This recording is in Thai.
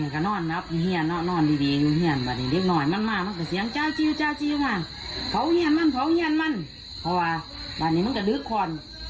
๓ขั้นมุนพกไว้พกย้ำก็ฟันมุนเว่ย